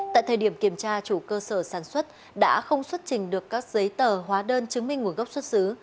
tại thời điểm kiểm tra chủ cơ sở sản xuất đã không xuất trình được các giấy tờ hóa đơn chứng minh nguồn gốc xuất xứ